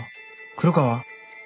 黒川？